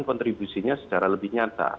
kontribusinya secara lebih nyata